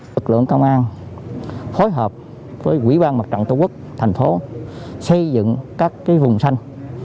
lực lượng công an phối hợp với quỹ ban mặt trận tổ quốc thành phố xây dựng các vùng xanh